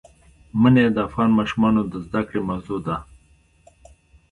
منی د افغان ماشومانو د زده کړې موضوع ده.